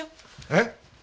えっ？